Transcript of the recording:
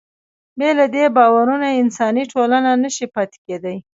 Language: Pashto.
بې له دې باورونو انساني ټولنه نهشي پاتې کېدی.